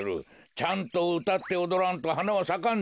ちゃんとうたっておどらんとはなはさかんぞ。